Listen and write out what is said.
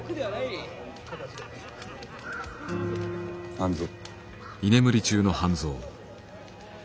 半蔵。